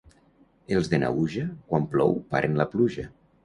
Els de Naüja, quan plou paren la pluja.